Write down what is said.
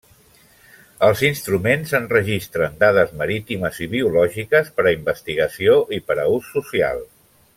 Els instruments enregistren dades marítimes i biològiques per a investigació i per a ús social.